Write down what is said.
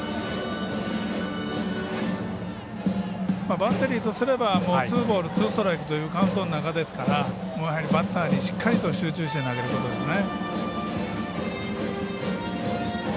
バッテリーとすればツーボールツーストライクというカウントの中ですからバッターにしっかりと集中して投げることですよね。